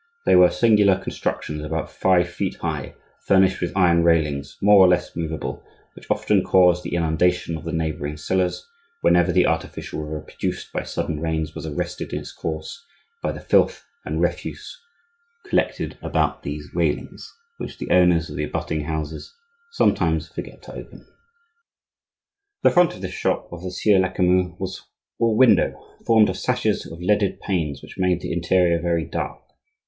They were singular constructions about five feet high, furnished with iron railings, more or less movable, which often caused the inundation of the neighboring cellars, whenever the artificial river produced by sudden rains was arrested in its course by the filth and refuse collected about these railings, which the owners of the abutting houses sometimes forgot to open. The front of this shop of the Sieur Lecamus was all window, formed of sashes of leaded panes, which made the interior very dark.